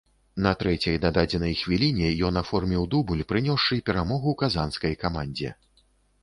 На трэцяй дададзенай хвіліне ён аформіў дубль, прынёсшы перамогу казанскай камандзе.